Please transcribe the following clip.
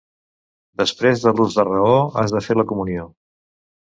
Després de l'ús de raó has de fer la comunió.